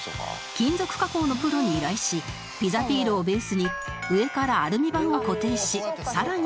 金属加工のプロに依頼しピザピールをベースに上からアルミ板を固定しさらに拡張